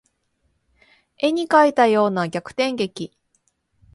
絵に描いたような逆転劇